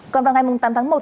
còn vào ngày tám tháng một